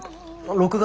６月。